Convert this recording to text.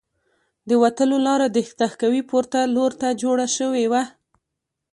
د وتلو لاره د تهکوي پورته لور ته جوړه شوې وه